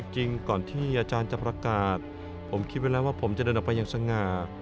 จริงก่อนที่อาจารย์จะประกาศผมคิดไว้แล้วว่าผมจะเดินออกไปอย่างสง่า